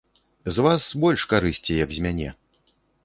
З вас больш карысці, як з мяне.